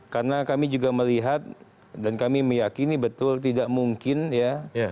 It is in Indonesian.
karena kami juga melihat dan kami meyakini betul tidak mungkin ya